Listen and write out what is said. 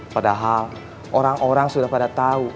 padahal orang orang sudah pada tahu